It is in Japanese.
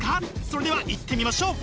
それではいってみましょう！